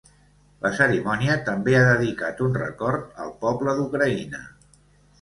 La cerimònia també ha dedicat un record al poble d’Ucraïna.